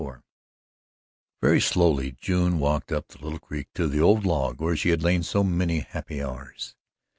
XXIV Very slowly June walked up the little creek to the old log where she had lain so many happy hours.